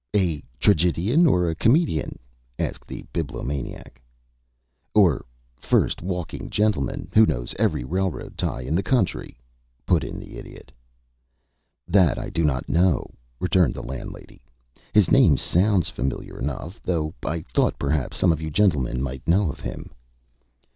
"A tragedian or a comedian?" asked the Bibliomaniac. "Or first walking gentleman, who knows every railroad tie in the country?" put in the Idiot. "That I do not know," returned the landlady. "His name sounds familiar enough, though. I thought perhaps some of you gentlemen might know of him."